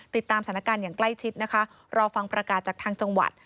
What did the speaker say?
ติดตามสถานการณ์อย่างใกล้ชิดนะคะรอฟังประกาศจากทางจังหวัด